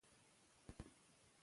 مهاراجا هم د سوداګرو خیال ساتي.